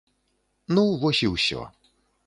Ну, вось і ўсё.